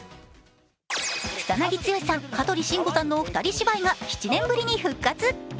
草なぎ剛さん、香取慎吾さんの２人芝居が７年ぶりに復活。